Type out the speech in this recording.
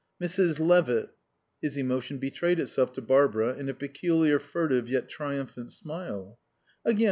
"Mrs. Levitt " His emotion betrayed itself to Barbara in a peculiar furtive yet triumphant smile. "Again?"